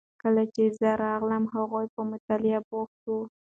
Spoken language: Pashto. کله چې زه راغلم هغوی په مطالعه بوخت وو.